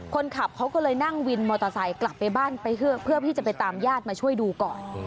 คนขับเขาก็เลยนั่งวินมอเตอร์ไซค์กลับไปบ้านไปเพื่อที่จะไปตามญาติมาช่วยดูก่อน